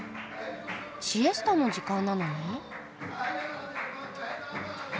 シエスタの時間なのに？